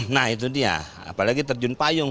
nah itu dia apalagi terjun payung